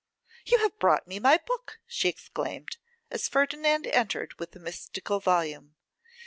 'You have brought me my book!' she exclaimed, as Ferdinand entered with the mystical volume.